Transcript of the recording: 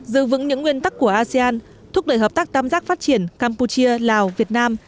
giữ vững những nguyên tắc của asean thúc đẩy hợp tác tam giác phát triển campuchia lào việt nam